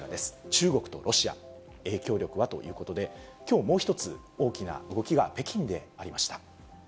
中国とロシア、影響力は？ということで、きょう、もう一つ大きな動きが北京でありました。